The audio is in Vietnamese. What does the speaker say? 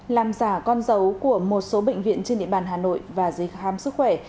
làm giả con dấu của một số bệnh viện trên địa bàn hà nội và giấy khám sức khỏe